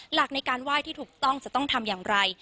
หลักในการไหว้ที่ถูกต้องจะต้องทำอย่างไร